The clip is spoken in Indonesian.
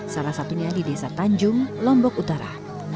salah satunya di desa tanjung lombok utara